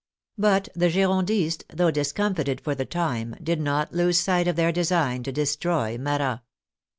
But the Girondists, though discomfited for the time, did not lose sight of their design to destroy Marat.